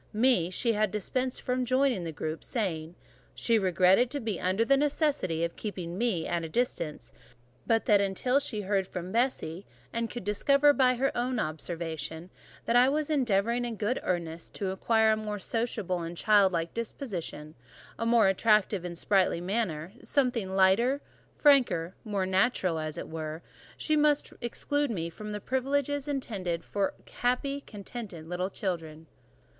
Me, she had dispensed from joining the group; saying, "She regretted to be under the necessity of keeping me at a distance; but that until she heard from Bessie, and could discover by her own observation, that I was endeavouring in good earnest to acquire a more sociable and childlike disposition, a more attractive and sprightly manner—something lighter, franker, more natural, as it were—she really must exclude me from privileges intended only for contented, happy, little children."